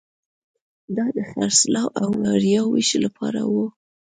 دا د خرڅلاو یا وړیا وېش لپاره وو